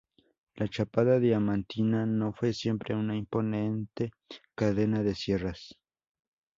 La Chapada Diamantina no fue siempre una imponente cadena de sierras.